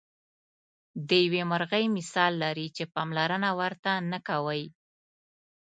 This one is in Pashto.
د یوې مرغۍ مثال لري چې پاملرنه ورته نه کوئ.